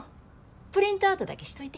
プリントアウトだけしといて。